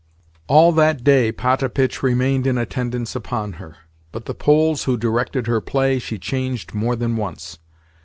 All that day Potapitch remained in attendance upon her; but the Poles who directed her play she changed more than once.